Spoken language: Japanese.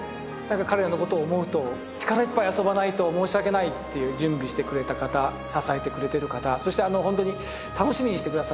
彼らのことを思うと力いっぱい遊ばないと申し訳ないっていう準備してくれた方支えてくれている方そしてホントに楽しみにしてくださってるね